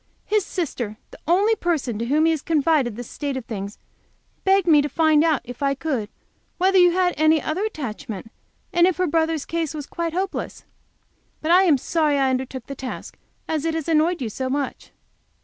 "His sister, the only person to whom he confided the state of things, begged me to find out, if I could, whether you had any other attachment, and if her brother's case was quite hopeless. But I am sorry I undertook the task as it has annoyed you so much."